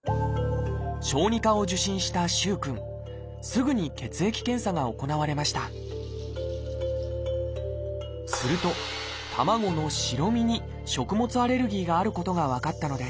すぐに血液検査が行われましたすると卵の白身に食物アレルギーがあることが分かったのです。